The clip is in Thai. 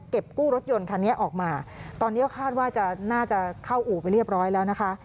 กู้รถยนต์คันนี้ออกมาตอนนี้ก็คาดว่าจะน่าจะเข้าอู่ไปเรียบร้อยแล้วนะคะ